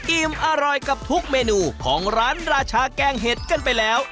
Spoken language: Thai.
อิ่มอร่อยกับทุกเมนูของร้านราชาแกงเห็ดกันไปแล้ว